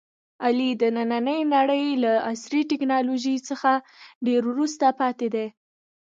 علي د نننۍ نړۍ له عصري ټکنالوژۍ څخه ډېر وروسته پاتې دی.